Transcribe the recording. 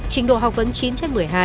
trình độ học vấn chín chất một mươi hai